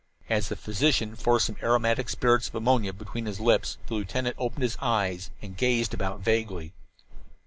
As the physician forced some aromatic spirits of ammonia between his lips the lieutenant opened his eyes and gazed about vaguely.